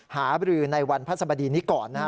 หาบรือในวันพระสบดีนี้ก่อนนะครับ